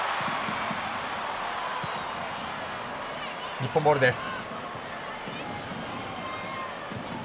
日本ボールです。